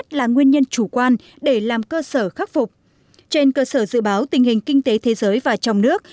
trên cơ sở dự báo tình hình kinh tế thế giới và trong nước